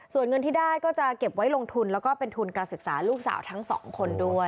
ส่วนเงินที่ได้ก็จะเก็บไว้ลงทุนแล้วก็เป็นทุนการศึกษาลูกสาวทั้งสองคนด้วย